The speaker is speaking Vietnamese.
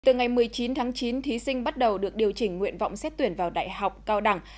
từ ngày một mươi chín tháng chín thí sinh bắt đầu được điều chỉnh nguyện vọng xét tuyển vào đại học cao đẳng